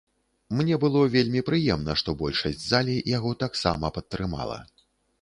Мне было вельмі прыемна, што большасць залі яго таксама падтрымала.